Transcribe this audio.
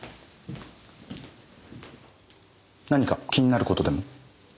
何か気になる事でも？